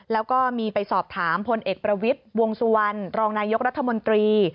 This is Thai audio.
แล้วก็มีไปสอบถามพลเอกประวิทย์วงสุวรรณรองนายกรัฐมนตรี